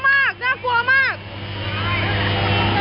ล้างโค้งล้างโค้งล้างไฟฟ้า